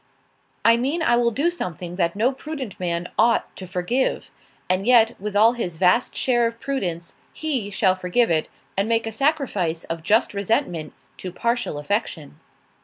"I mean I will do something that no prudent man ought to forgive; and yet, with all his vast share of prudence, he shall forgive it, and make a sacrifice of just resentment to partial affection."